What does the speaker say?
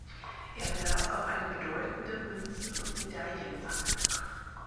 Er besaß auch eine bedeutende Münzen- und Medaillensammlung.